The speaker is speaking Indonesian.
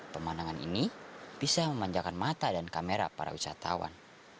pemandangan ini bisa memanjakan mata dan kamera para wisatawan